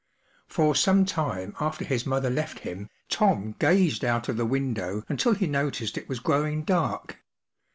For some time after his mother left him, Tom gazed out of the window until he noticed it was growing dark.